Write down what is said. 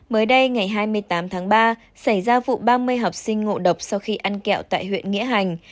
mới đây ngày hai mươi tám tháng ba xảy ra vụ ba mươi học sinh ngộ độc sau khi ăn kẹo tại huyện nghĩa hành